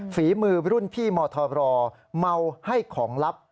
ฝีมือรุ่นพี่มธบรเมาให้ของลับ